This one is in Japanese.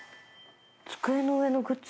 「机の上のグッズ」？